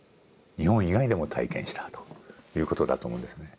日本以外でも体験したということだと思うんですね。